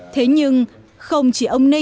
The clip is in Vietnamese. thế nhưng không chỉ ông này